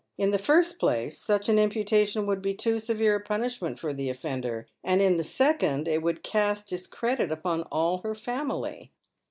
In the first place such an imputatio^ would be too severe a punishment for the offender, and in tlie second it would cast discredit upon all her family.